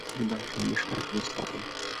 তিনি দর্শন বিষয়ের একজন স্নাতক।